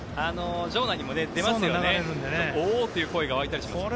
場内にも、おー！という声が沸いたりしますね。